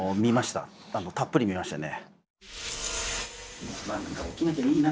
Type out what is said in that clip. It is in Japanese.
たっぷり見ましたね。